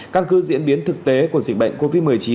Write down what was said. căn cứ diễn biến thực tế của dịch bệnh covid một mươi chín